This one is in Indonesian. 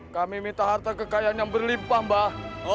kami minta harta kekayaan yang berlimpah mbak